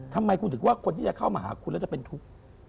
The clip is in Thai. ทำไมคุณถึงว่าคนที่จะเข้ามาหาคุณแล้วจะเป็นทุกข์